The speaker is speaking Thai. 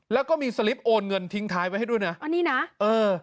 แล้วก็มีสลิปโอนเงินทิ้งท้ายไว้ให้ด้วยนะอ๋อนี่นะเออ